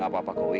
gak apa apa kowi